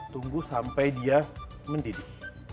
tunggu sampai dia mendidih